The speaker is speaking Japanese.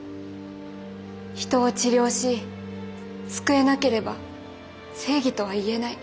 人を治療し救えなければ正義とはいえない」。